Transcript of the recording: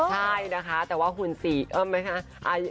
ใช่นะคะแต่ว่าหุ่นสีเอิ้มไหมคะ